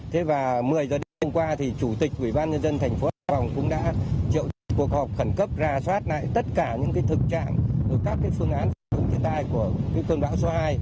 thế và một mươi giờ đêm qua thì chủ tịch ubnd thành phố hải phòng cũng đã triệu trị cuộc họp khẩn cấp ra soát lại tất cả những cái thực trạng của các cái phương án thiên tai của cơn bão số hai